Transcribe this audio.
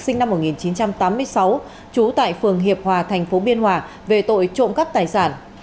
sinh năm một nghìn chín trăm tám mươi sáu trú tại phường hiệp hòa tp biên hòa về tội trộn cắp tài sản